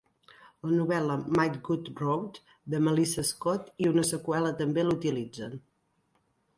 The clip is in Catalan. La novel·la "Mighty Good Road" de Melissa Scott i una seqüela també l'utilitzen.